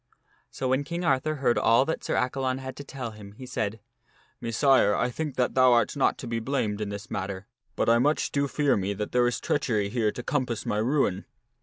So when King Arthur heard all that Sir Accalon had to tell him, he said, " Messire, I think that thou art not to be blamed in this matter, but I much do fear me that there is treachery here to com pass my ruin."